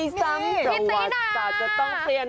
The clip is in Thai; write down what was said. จริตีดานี่พี่ตีด่าสวัสดิ์สัตว์จะต้องเปลี่ยน